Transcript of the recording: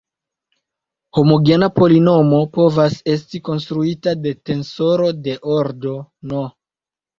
Homogena polinomo povas esti konstruita de tensoro de ordo "n".